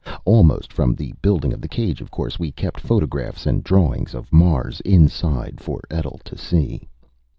Almost from the building of the cage, of course, we'd kept photographs and drawings of Mars inside for Etl to see.